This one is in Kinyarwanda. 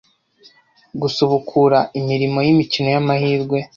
gusubukura imirimo y’imikino y’amahirwe